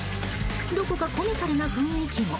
どこかコミカルな雰囲気も。